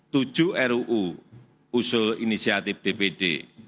tujuh ruu usul inisiatif dpd